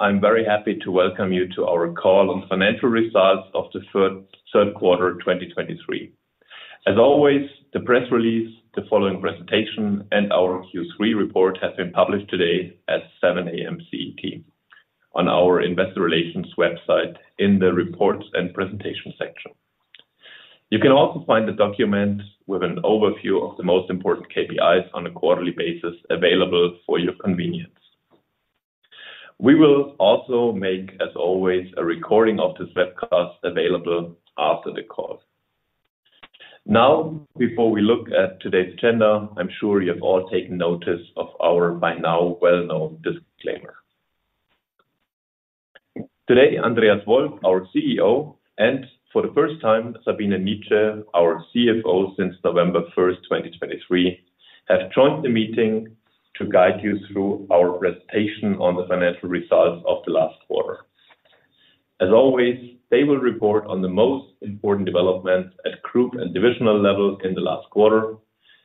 I'm very happy to welcome you to our call on financial results of the third quarter, 2023. As always, the press release, the following presentation, and our Q3 report have been published today at 7:00 A.M. CET on our investor relations website in the reports and presentation section. You can also find the document with an overview of the most important KPIs on a quarterly basis available for your convenience. We will also make, as always, a recording of this webcast available after the call. Now, before we look at today's agenda, I'm sure you have all taken notice of our, by now, well-known disclaimer. Today, Andreas Wolf, our CEO, and for the first time, Sabine Nitzsche, our CFO since 1 November 2023, have joined the meeting to guide you through our presentation on the financial results of the last quarter. As always, they will report on the most important developments at group and divisional level in the last quarter,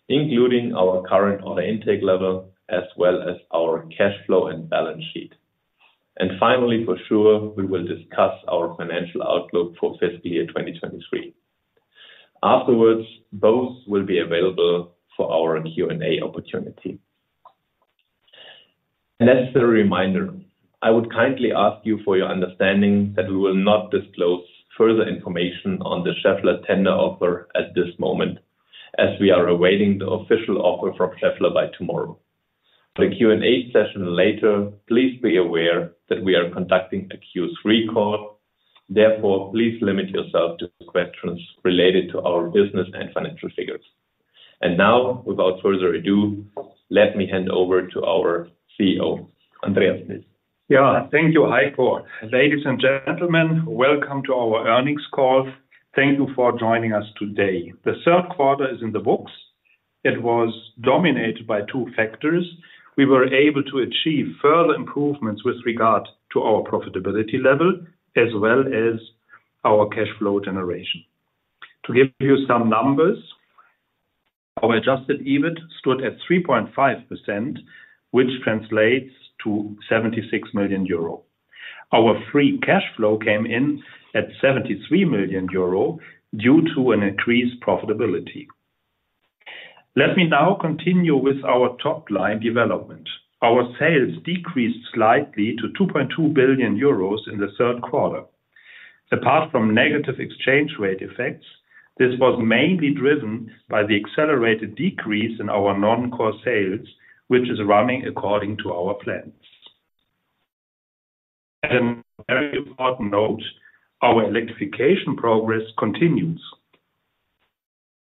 including our current order intake level, as well as our cash flow and balance sheet. Finally, for sure, we will discuss our financial outlook for fiscal year 2023. Afterwards, both will be available for our Q&A opportunity. Necessary reminder, I would kindly ask you for your understanding that we will not disclose further information on the Schaeffler tender offer at this moment, as we are awaiting the official offer from Schaeffler by tomorrow. For the Q&A session later, please be aware that we are conducting a Q3 call. Therefore, please limit yourself to questions related to our business and financial figures. And now, without further ado, let me hand over to our CEO, Andreas, please. Yeah, thank you, Heiko. Ladies and gentlemen, welcome to our earnings call. Thank you for joining us today. The third quarter is in the books. It was dominated by two factors. We were able to achieve further improvements with regard to our profitability level, as well as our cash flow generation. To give you some numbers, our Adjusted EBIT stood at 3.5%, which translates to 76 million euro. Our Free cash flow came in at 73 million euro due to an increased profitability. Let me now continue with our top-line development. Our sales decreased slightly to 2.2 billion euros in the third quarter. Apart from negative exchange rate effects, this was mainly driven by the accelerated decrease in our non-core sales, which is running according to our plans. As a very important note, our Electrification progress continues.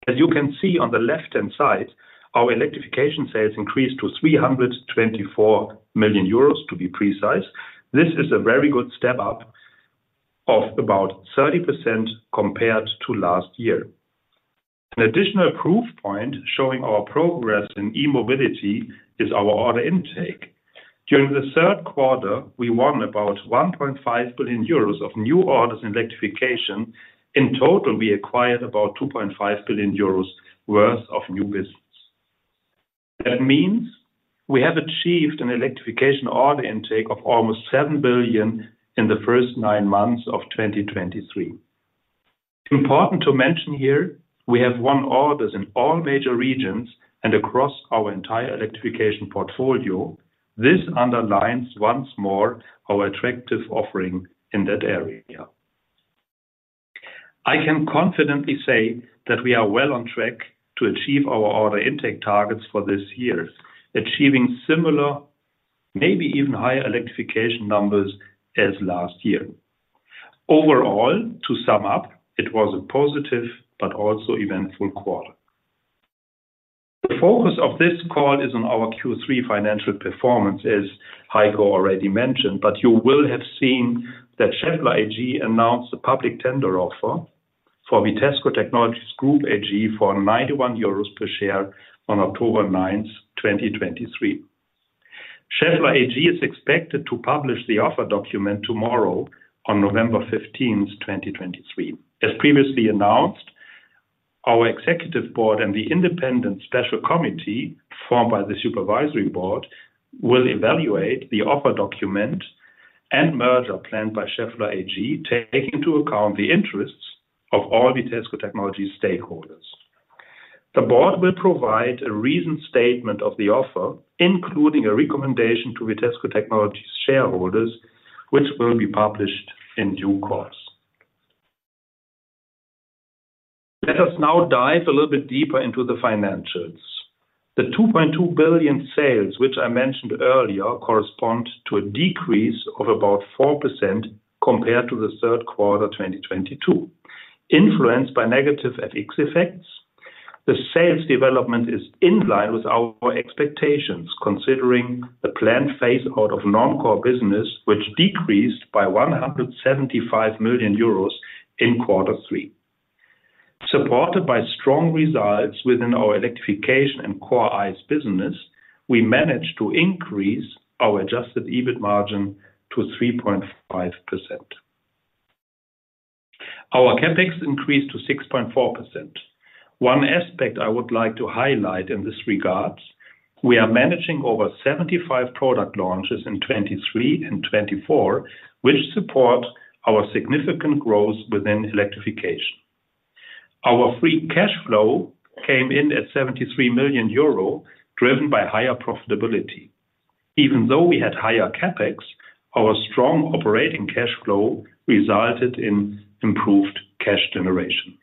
As you can see on the left-hand side, our electrification sales increased to 324 million euros, to be precise. This is a very good step-up of about 30% compared to last year. An additional proof point showing our progress in e-mobility is our order intake. During the third quarter, we won about 1.5 billion euros of new orders in electrification. In total, we acquired about 2.5 billion euros worth of new business. That means we have achieved an electrification order intake of almost 7 billion in the first nine months of 2023. Important to mention here, we have won orders in all major regions and across our entire electrification portfolio. This underlines once more our attractive offering in that area. I can confidently say that we are well on track to achieve our order intake targets for this year, achieving similar, maybe even higher, electrification numbers as last year. Overall, to sum up, it was a positive but also eventful quarter. The focus of this call is on our Q3 financial performance, as Heiko already mentioned, but you will have seen that Schaeffler AG announced a public tender offer for Vitesco Technologies Group AG for 91 euros per share on October ninth, 2023. Schaeffler AG is expected to publish the offer document tomorrow on November fifteenth, 2023. As previously announced, our executive board and the independent special committee, formed by the supervisory board, will evaluate the offer document and merger plan by Schaeffler AG, taking into account the interests of all Vitesco Technologies stakeholders. The board will provide a reasoned statement of the offer, including a recommendation to Vitesco Technologies shareholders, which will be published in due course. Let us now dive a little bit deeper into the financials. The 2.2 billion sales, which I mentioned earlier, correspond to a decrease of about 4% compared to the third quarter, 2022. Influenced by negative FX effects, the sales development is in line with our expectations, considering the planned phaseout of non-core business, which decreased by 175 million euros in quarter three. Supported by strong results within our electrification and core ICE business, we managed to increase our adjusted EBIT margin to 3.5%. Our CapEx increased to 6.4%. One aspect I would like to highlight in this regard, we are managing over 75 product launches in 2023 and 2024, which support our significant growth within electrification. Our free cash flow came in at 73 million euro, driven by higher profitability. Even though we had higher CapEx, our strong operating cash flow resulted in improved cash generation.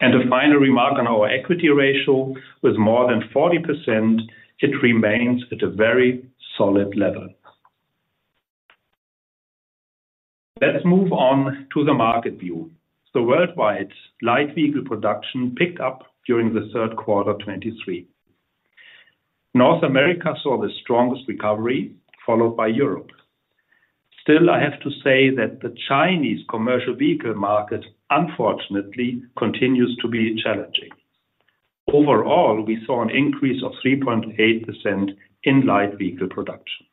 And a final remark on our equity ratio, with more than 40%, it remains at a very solid level. Let's move on to the market view. The worldwide light vehicle production picked up during the third quarter of 2023. North America saw the strongest recovery, followed by Europe. Still, I have to say that the Chinese commercial vehicle market, unfortunately, continues to be challenging. Overall, we saw an increase of 3.8% in light vehicle production.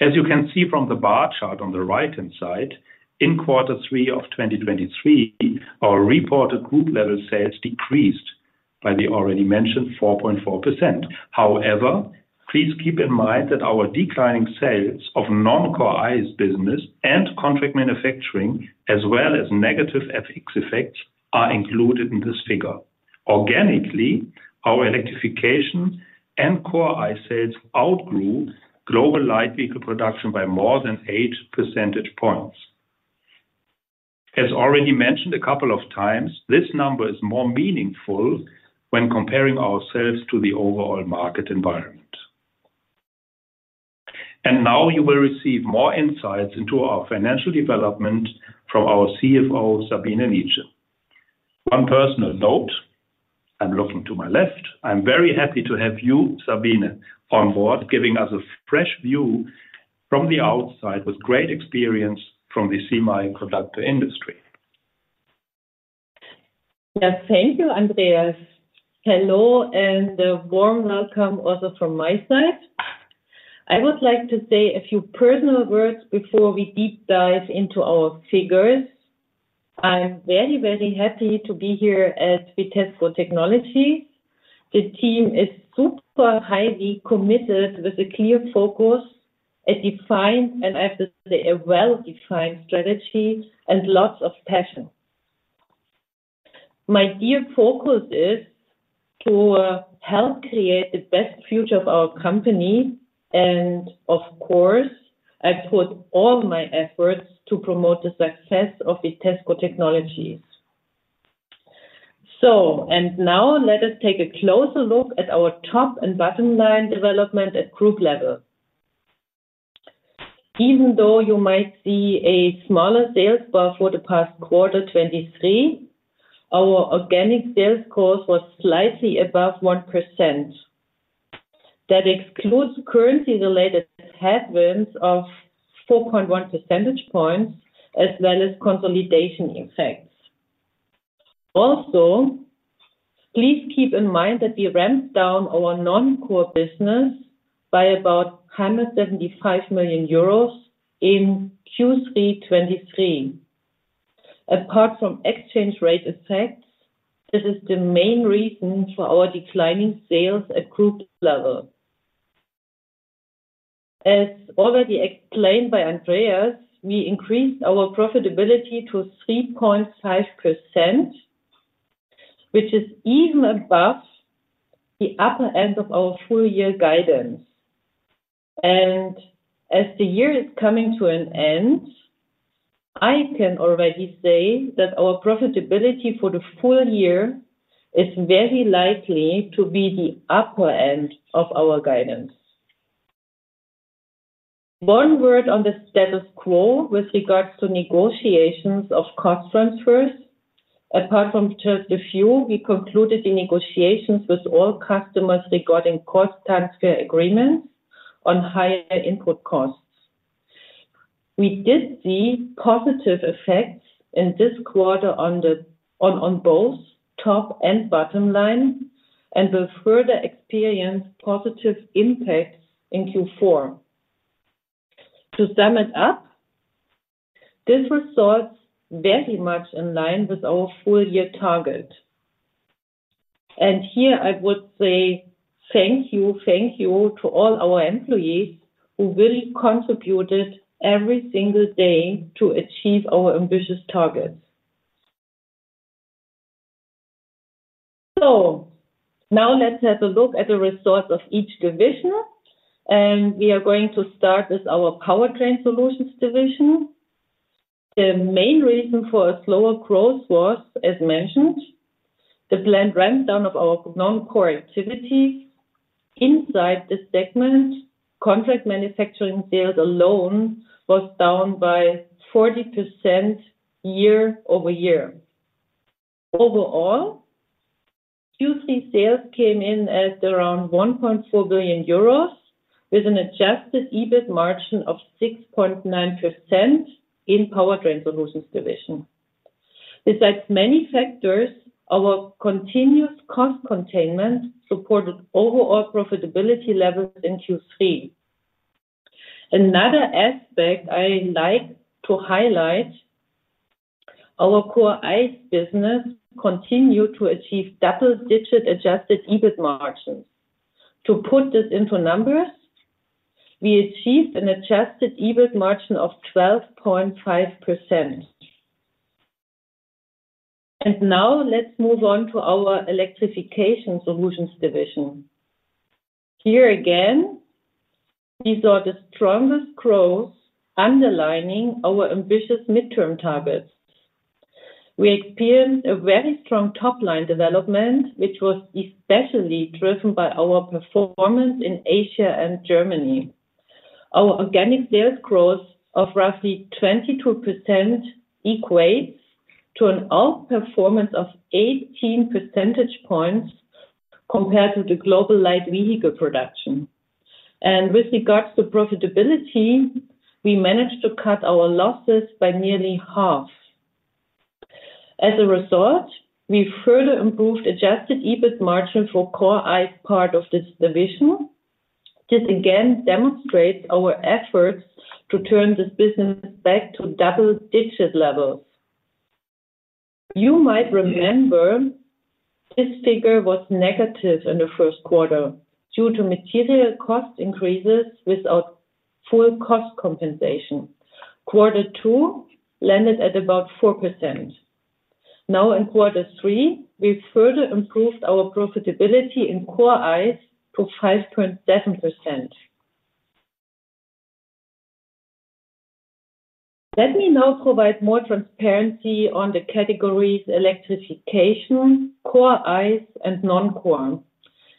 As you can see from the bar chart on the right-hand side, in Q3 2023, our reported group level sales decreased by the already mentioned 4.4%. However, please keep in mind that our declining sales of non-core ICE business and contract manufacturing, as well as negative FX effects, are included in this figure. Organically, our electrification and core ICE sales outgrew global light vehicle production by more than eight percentage points. As already mentioned a couple of times, this number is more meaningful when comparing ourselves to the overall market environment. Now you will receive more insights into our financial development from our CFO, Sabine Nitzsche. One personal note, I'm looking to my left. I'm very happy to have you, Sabine, on board, giving us a fresh view from the outside with great experience from the semiconductor industry. Yes, thank you, Andreas. Hello, and a warm welcome also from my side. I would like to say a few personal words before we deep dive into our figures. I'm very, very happy to be here at Vitesco Technologies. The team is super highly committed with a clear focus, a defined, and I have to say, a well-defined strategy, and lots of passion. My dear focus is to, help create the best future of our company, and of course, I put all my efforts to promote the success of Vitesco Technologies. So, and now let us take a closer look at our top and bottom line development at group level. Even though you might see a smaller sales bar for the past quarter, 2023, our organic sales growth was slightly above 1%. That excludes currency-related headwinds of 4.1 percentage points, as well as consolidation effects. Also, please keep in mind that we ramped down our non-core business by about 175 million euros in Q3 2023. Apart from exchange rate effects, this is the main reason for our declining sales at group level. As already explained by Andreas, we increased our profitability to 3.5%, which is even above the upper end of our full year guidance. As the year is coming to an end, I can already say that our profitability for the full year is very likely to be the upper end of our guidance. One word on the status quo with regards to negotiations of cost transfers. Apart from just a few, we concluded the negotiations with all customers regarding cost transfer agreements on higher input costs. We did see positive effects in this quarter on the both top and bottom line, and will further experience positive impacts in Q4. To sum it up, this results very much in line with our full-year target. And here I would say thank you, thank you to all our employees, who really contributed every single day to achieve our ambitious targets. So now let's have a look at the results of each division, and we are going to start with our Powertrain Solutions division. The main reason for a slower growth was, as mentioned, the planned ramp down of our non-core activity. Inside the segment, contract manufacturing sales alone was down by 40% year-over-year. Overall, Q3 sales came in at around 1.4 billion euros, with an Adjusted EBIT margin of 6.9% in Powertrain Solutions division. Besides many factors, our continuous cost containment supported overall profitability levels in Q3. Another aspect I like to highlight, our Core ICE business continued to achieve double-digit Adjusted EBIT margins. To put this into numbers, we achieved an Adjusted EBIT margin of 12.5%. And now let's move on to our Electrification Solutions division. Here again, we saw the strongest growth, underlining our ambitious midterm targets. We experienced a very strong top-line development, which was especially driven by our performance in Asia and Germany. Our organic sales growth of roughly 22% equates to an outperformance of 18 percentage points compared to the global light vehicle production. And with regards to profitability, we managed to cut our losses by nearly half. As a result, we further improved Adjusted EBIT margin for Core ICE part of this division. This again demonstrates our efforts to turn this business back to double-digit levels. You might remember, this figure was negative in the first quarter due to material cost increases without full cost compensation. Quarter two landed at about 4%. Now, in quarter three, we've further improved our profitability in Core ICE to 5.7%. Let me now provide more transparency on the categories, Electrification, Core ICE, and non-core.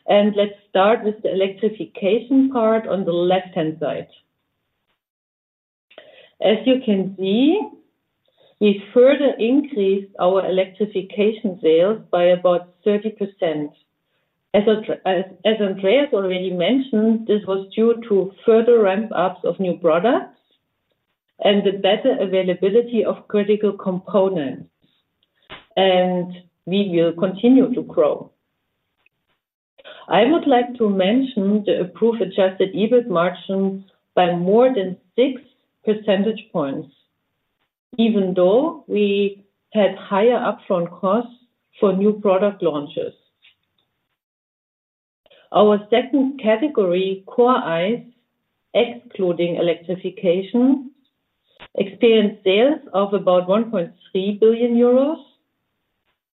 Let's start with the Electrification part on the left-hand side. As you can see, we further increased our Electrification sales by about 30%. As Andreas already mentioned, this was due to further ramp-ups of new products and the better availability of critical components, and we will continue to grow. I would like to mention the improved Adjusted EBIT margin by more than 6 percentage points, even though we had higher upfront costs for new product launches. Our second category, Core ICE, excluding electrification, experienced sales of about 1.3 billion euros.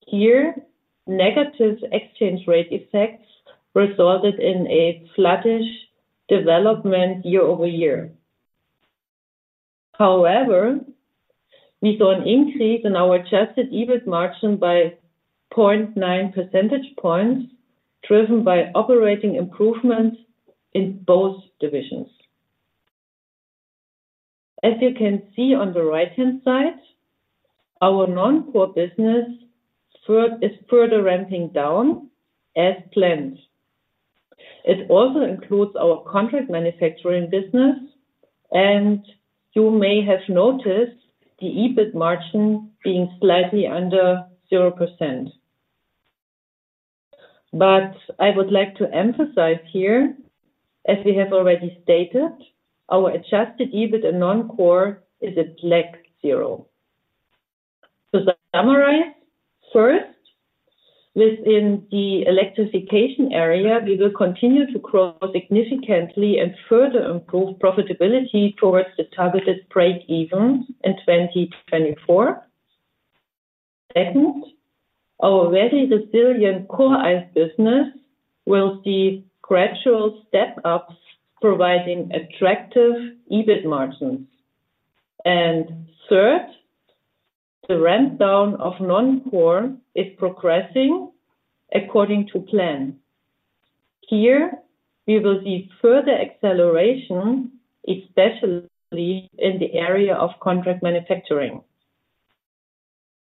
Here, negative exchange rate effects resulted in a flattish year-over-year development. However, we saw an increase in our Adjusted EBIT margin by 0.9 percentage points, driven by operating improvements in both divisions. As you can see on the right-hand side, our non-core business is further ramping down as planned. It also includes our contract manufacturing business, and you may have noticed the EBIT margin being slightly under 0%. But I would like to emphasize here, as we have already stated, our Adjusted EBIT and non-core is at like zero. To summarize, first, within the electrification area, we will continue to grow significantly and further improve profitability towards the targeted break-even in 2024. Second, our very resilient Core ICE business will see gradual step-ups, providing attractive EBIT margins. And third, the ramp down of non-core is progressing according to plan. Here, we will see further acceleration, especially in the area of contract manufacturing.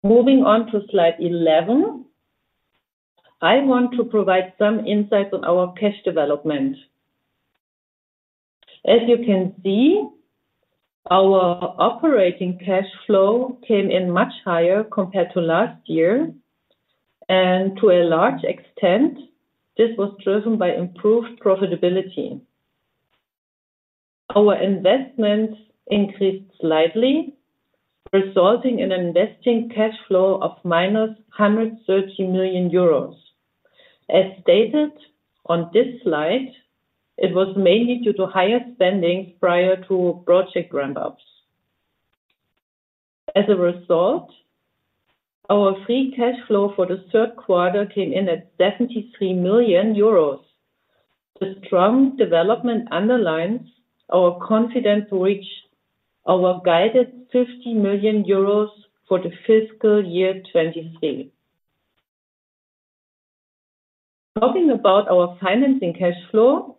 Moving on to slide 11, I want to provide some insights on our cash development. As you can see, our operating cash flow came in much higher compared to last year, and to a large extent, this was driven by improved profitability. Our investments increased slightly, resulting in investing cash flow of minus 130 million euros. As stated on this slide, it was mainly due to higher spending prior to project ramp-ups. As a result, our free cash flow for the third quarter came in at 73 million euros. The strong development underlines our confidence to reach our guided 50 million euros for the fiscal year 2023. Talking about our financing cash flow,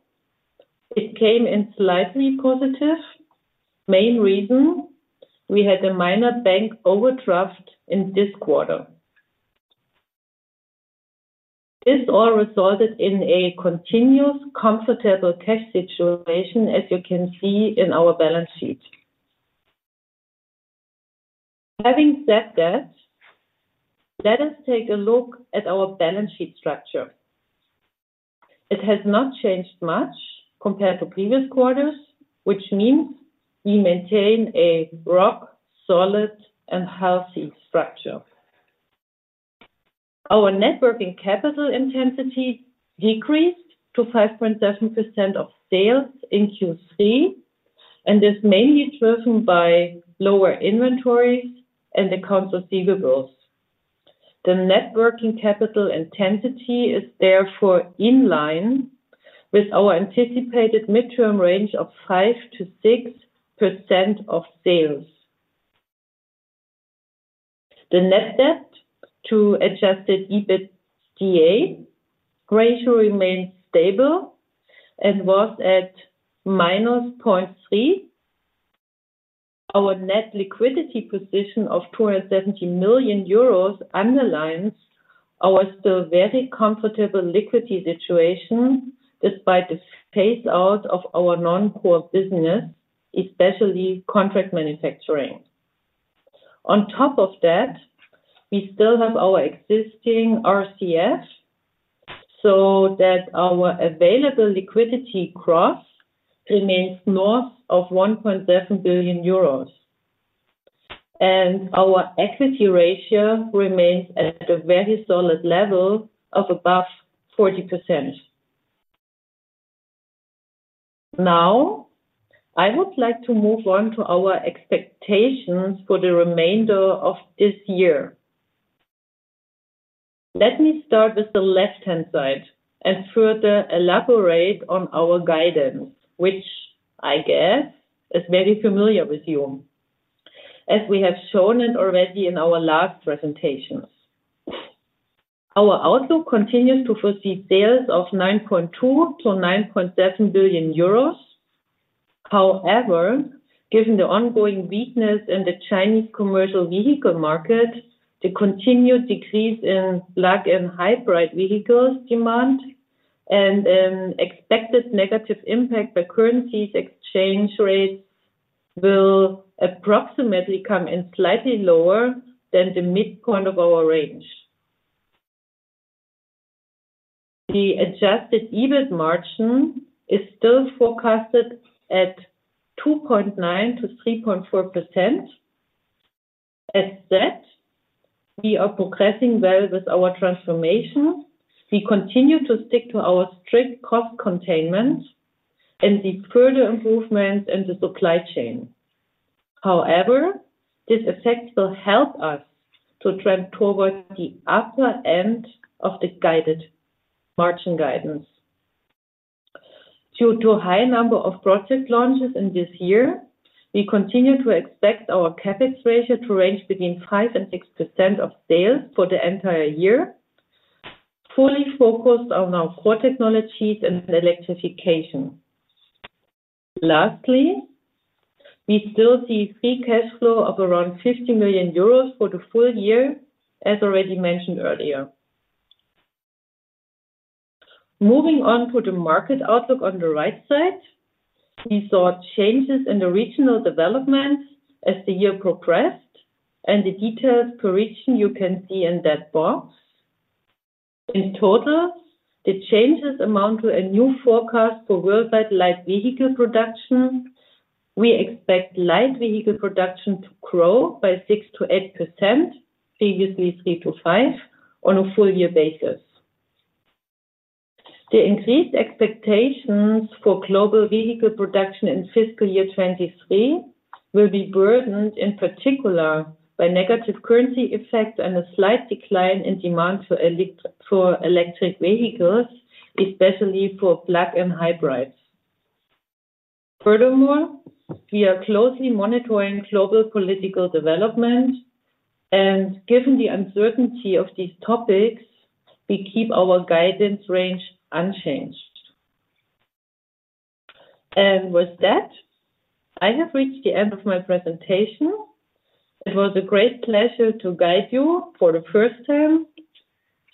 it came in slightly positive. Main reason, we had a minor bank overdraft in this quarter. This all resulted in a continuous, comfortable cash situation, as you can see in our balance sheet. Having said that, let us take a look at our balance sheet structure. It has not changed much compared to previous quarters, which means we maintain a rock solid and healthy structure. Our net working capital intensity decreased to 5.7% of sales in Q3, and is mainly driven by lower inventories and accounts receivables. The net working capital intensity is therefore in line with our anticipated midterm range of 5%-6% of sales. The net debt to Adjusted EBITDA ratio remains stable and was at -0.3. Our net liquidity position of 270 million euros underlines our still very comfortable liquidity situation, despite the phase out of our non-core business, especially contract manufacturing. On top of that, we still have our existing RCF, so that our available liquidity gross remains north of 1.7 billion euros, and our equity ratio remains at a very solid level of above 40%. Now, I would like to move on to our expectations for the remainder of this year. Let me start with the left-hand side and further elaborate on our guidance, which I guess is very familiar with you, as we have shown it already in our last presentations. Our outlook continues to foresee sales of 9.2 billion-9.7 billion euros. However, given the ongoing weakness in the Chinese commercial vehicle market, the continued decrease in plug-in hybrid vehicles demand, and an expected negative impact by currency exchange rates, sales will approximately come in slightly lower than the midpoint of our range. The Adjusted EBIT margin is still forecasted at 2.9%-3.4%. At that, we are progressing well with our transformation. We continue to stick to our strict cost containment and the further improvements in the supply chain. However, this effect will help us to trend towards the upper end of the guided margin guidance. Due to a high number of project launches in this year, we continue to expect our CapEx ratio to range between 5%-6% of sales for the entire year, fully focused on our core technologies and electrification. Lastly, we still see free cash flow of around 50 million euros for the full year, as already mentioned earlier. Moving on to the market outlook on the right side, we saw changes in the regional developments as the year progressed, and the detailed correction you can see in that box. In total, the changes amount to a new forecast for worldwide light vehicle production. We expect light vehicle production to grow by 6%-8%, previously 3%-5%, on a full year basis. The increased expectations for global vehicle production in fiscal year 2023 will be burdened, in particular, by negative currency effects and a slight decline in demand for electric vehicles, especially for plug-in hybrids. Furthermore, we are closely monitoring global political development, and given the uncertainty of these topics, we keep our guidance range unchanged. And with that, I have reached the end of my presentation. It was a great pleasure to guide you for the first time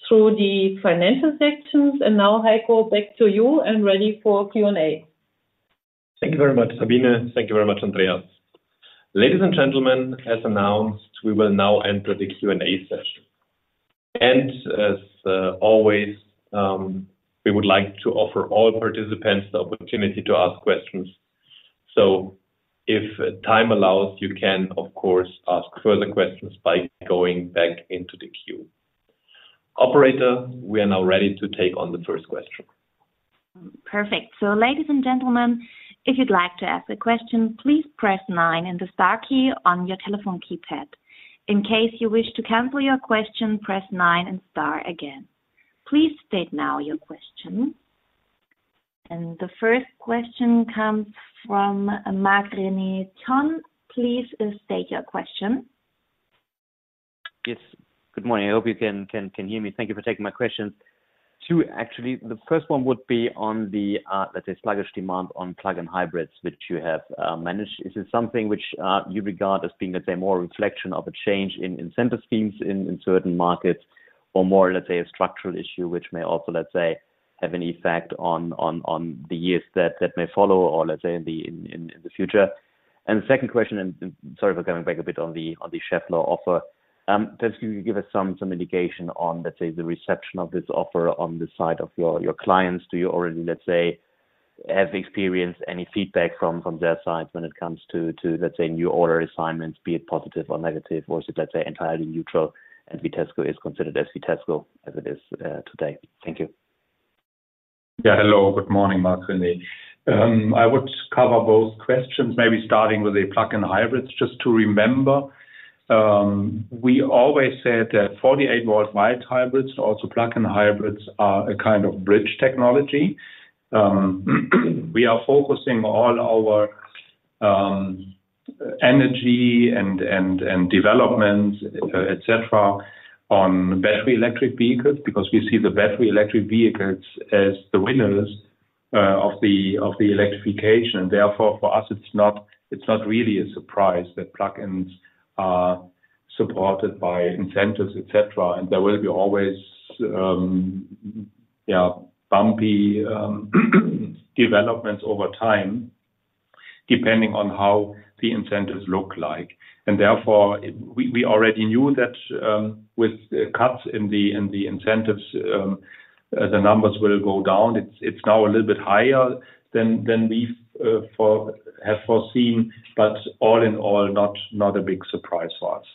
through the financial sections, and now, Heiko, back to you and ready for Q&A. Thank you very much, Sabine. Thank you very much, Andreas. Ladies and gentlemen, as announced, we will now enter the Q&A session. As always, we would like to offer all participants the opportunity to ask questions. If time allows, you can, of course, ask further questions by going back into the queue. Operator, we are now ready to take on the first question. Perfect. So, ladies and gentlemen, if you'd like to ask a question, please press nine and the star key on your telephone keypad. In case you wish to cancel your question, press nine and star again. Please state now your question. The first question comes from Marc-René Tonn. Please state your question. Yes. Good morning. I hope you can hear me. Thank you for taking my questions. Two, actually. The first one would be on the, let's say, sluggish demand on plug-in hybrids, which you have managed. Is it something which you regard as being, let's say, more a reflection of a change in incentive schemes in certain markets, or more, let's say, a structural issue, which may also, let's say, have an effect on the years that may follow, or let's say, in the future? And the second question, and sorry for going back a bit on the Schaeffler offer. Can you give us some indication on, let's say, the reception of this offer on the side of your clients? Do you already, let's say, have experienced any feedback from their side when it comes to, let's say, new order assignments, be it positive or negative? Or is it, let's say, entirely neutral, and Vitesco is considered as Vitesco as it is, today? Thank you. Yeah, hello. Good morning, Marc-René. I would cover both questions, maybe starting with the plug-in hybrids. Just to remember, we always said that 48-volt mild hybrids, also plug-in hybrids, are a kind of bridge technology. We are focusing all our energy and development, et cetera, on battery electric vehicles, because we see the battery electric vehicles as the winners of the electrification. Therefore, for us, it's not really a surprise that plug-ins are supported by incentives, et cetera. And there will be always bumpy developments over time, depending on how the incentives look like. And therefore, we already knew that, with the cuts in the incentives, the numbers will go down. It's now a little bit higher than we have foreseen, but all in all, not a big surprise for us.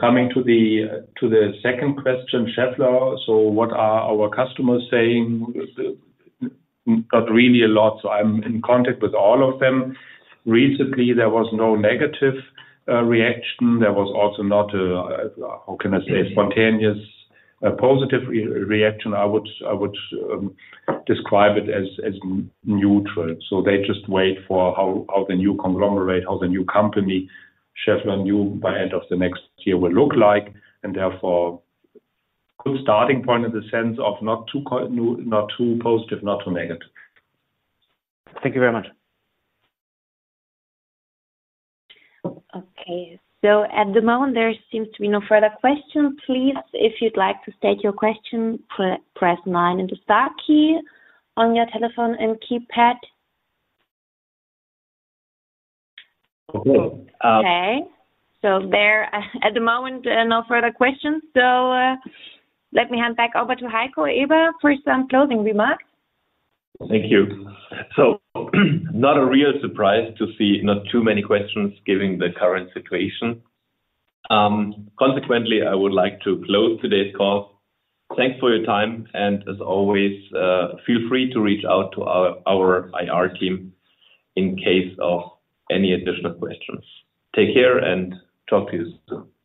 Coming to the second question, Schaeffler. So what are our customers saying? Not really a lot. So I'm in contact with all of them. Recently, there was no negative reaction. There was also not a spontaneous positive reaction. I would describe it as neutral. So they just wait for how the new conglomerate, the new company, Schaeffler new, by end of the next year will look like, and therefore, good starting point in the sense of not too positive, not too negative. Thank you very much. Okay. So, at the moment, there seems to be no further questions. Please, if you'd like to state your question, press nine and the star key on your telephone and keypad. Okay, um- Okay. So there, at the moment, no further questions. So, let me hand back over to Heiko Eber for some closing remarks. Thank you. So not a real surprise to see not too many questions given the current situation. Consequently, I would like to close today's call. Thanks for your time, and as always, feel free to reach out to our IR team in case of any additional questions. Take care, and talk to you soon.